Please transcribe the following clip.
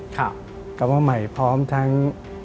กลับมาใหม่พร้อมทั้ง